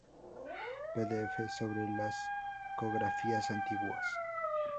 Pdf sobre las cofradías antiguas